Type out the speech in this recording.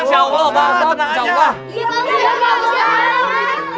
iya pak ustadz